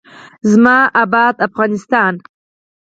زما اباد افغانستان.